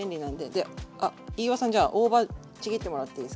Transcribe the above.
であ飯尾さんじゃあ大葉ちぎってもらっていいですか？